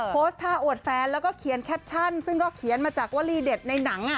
โพสต์ท่าอวดแฟนแล้วก็เขียนแคปชั่นซึ่งก็เขียนมาจากวลีเด็ดในหนัง